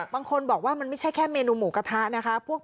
บางคนบอกว่ามันไม่ใช่แค่เมนูหมูกระทะนะคะ